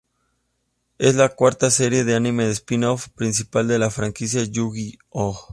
Es la cuarta serie de anime spin-off principal de la franquicia Yu-Gi-Oh!